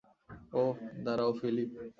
ওহ, দাঁড়াও, ফিলিপ।